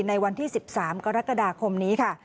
ในวันที่๑๓กรกฎาคมนี้ค่ะ